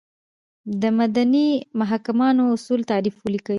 دمدني محاکماتو اصولو تعریف ولیکئ ؟